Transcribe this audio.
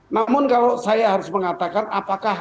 namun kalau saya harus mengatakan apakah